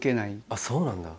あっそうなんだ！